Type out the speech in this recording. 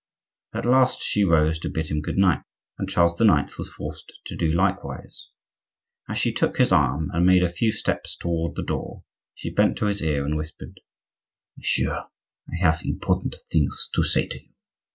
At last she rose to bid him good night, and Charles IX. was forced to do likewise. As she took his arm and made a few steps toward the door, she bent to his ear and whispered:— "Monsieur, I have important things to say to you."